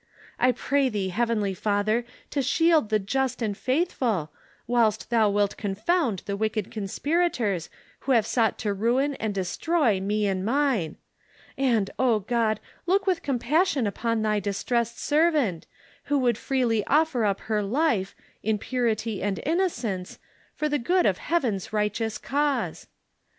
I pray Thee, heavenly Father, to shield the just and faithful, whilst Thou wilt confound the wicked conspirators who have sought to ruin and destroy me and mine ; and, O God, look with compassion on Thy distressed servant, who would freely offer up her life, in purity and innocence, for the good of heaven's righteous cause